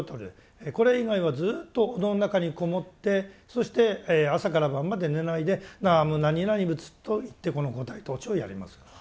これ以外はずっとお堂の中に籠もってそして朝から晩まで寝ないで「南無何々仏」と言ってこの五体投地をやります。